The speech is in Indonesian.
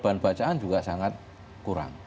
bahan bacaan juga sangat kurang